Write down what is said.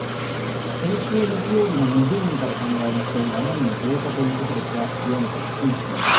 先週木曜日の２０人から考えますと７人増加ということですが極めて低い水準。